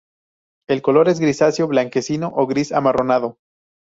El color es grisáceo, blanquecino o gris amarronado.